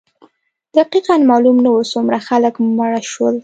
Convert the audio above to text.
دقیقا معلوم نه وو څومره خلک مړه شول.